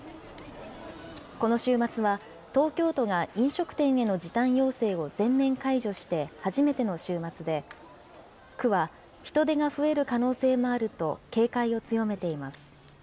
この週末は、東京都が飲食店への時短要請を全面解除して初めての週末で、区は人出が増える可能性もあると警戒を強めています。